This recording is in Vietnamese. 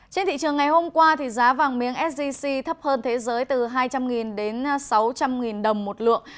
trên thị trường ngày hôm qua giá vàng miếng sgc thấp hơn thế giới từ hai trăm linh đến sáu trăm linh đồng một lượng